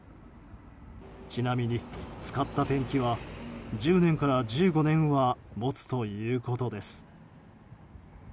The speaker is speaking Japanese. ちなみに使ったペンキは１０年から１５年は持つということです。